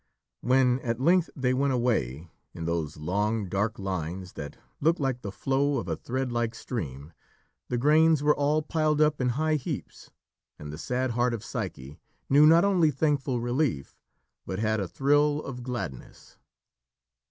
When at length they went away, in those long dark lines that looked like the flow of a thread like stream, the grains were all piled up in high heaps, and the sad heart of Psyche knew not only thankful relief, but had a thrill of gladness.